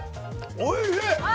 おいしい。